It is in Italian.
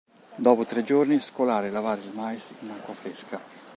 Dopo tre giorni, scolare e lavare il mais in acqua fresca.